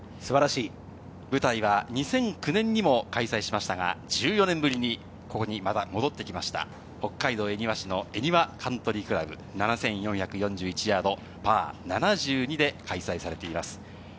舞台は２００９年にも開催しました、１４年ぶりに戻ってきました、北海道恵庭市の恵庭カントリー倶楽部、７４４１ヤード、パー７２で開催されています。